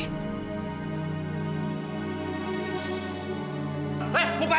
eh muka aja pak